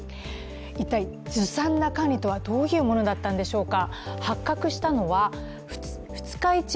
一体ずさんな管理とはどういうものだったんでしょうか。